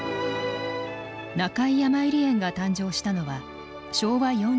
中井やまゆり園が誕生したのは昭和４７年。